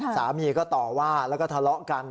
สามีก็ต่อว่าแล้วก็ทะเลาะกัน